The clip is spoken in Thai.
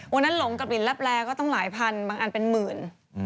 วันนั้นหลงกับหลีนแรบแรกก็ต้องหลายพันธุ์บางอันเป็นหมื่น